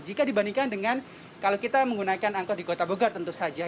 jika dibandingkan dengan kalau kita menggunakan angkot di kota bogor tentu saja